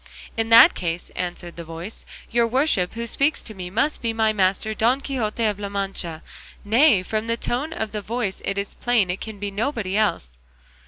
"In that case," answered the voice, "your worship who speaks to me must be my master Don Quixote of La Mancha; nay, from the tone of the voice it is plain it can be nobody else."